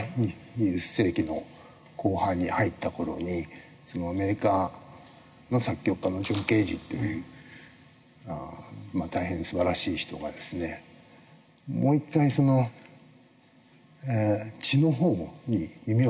２０世紀の後半に入った頃にアメリカの作曲家のジョン・ケージっていう大変すばらしい人がですねもう一回地の方に耳を傾けようと。